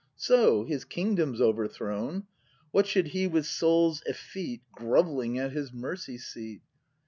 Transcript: So, His Kingdom's overthrown. What should He with souls effete Grovelling at His mercy seat?